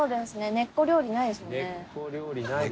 根っこ料理ないですね。